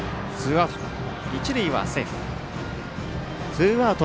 ツーアウト。